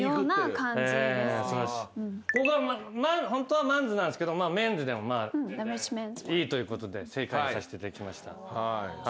ホントは「ｍａｎ’ｓ」なんですけど「ｍｅｎ’ｓ」でもいいということで正解にさせていただきました。